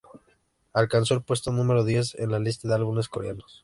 Alcanzó el puesto número diez en la lista de álbumes coreanos.